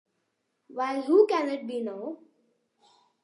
While Who Can It Be Now?